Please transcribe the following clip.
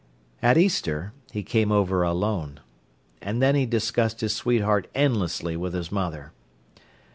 At Easter he came over alone. And then he discussed his sweetheart endlessly with his mother.